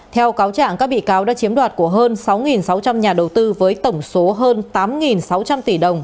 theo cáo trạng các bị cáo đã chiếm đoạt của hơn sáu sáu trăm linh nhà đầu tư với tổng số hơn tám sáu trăm linh tỷ đồng